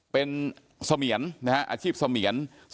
เป็นเสมียรนะครับอาชีพเสมียร